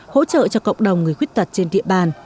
hỗ trợ cho cộng đồng người khuyết tật trên địa bàn